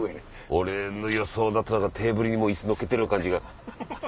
俺の予想だと何かテーブルにもう椅子載っけてる感じが。